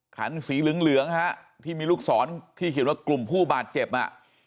คันสีเหลืองเหลืองฮะที่มีลูกศรที่เขียนว่ากลุ่มผู้บาดเจ็บอ่ะ